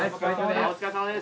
お疲れさまです。